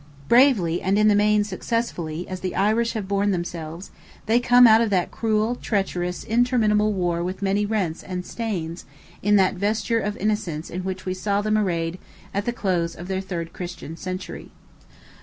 Bravely and in the main successfully as the Irish have borne themselves, they come out of that cruel, treacherous, interminable war with many rents and stains in that vesture of innocence in which we saw them arrayed at the close of their third Christian century.